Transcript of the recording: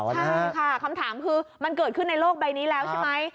ใช่ค่ะคำถามคือมันเกิดขึ้นในโลกใบนี้แล้วใช่ไหม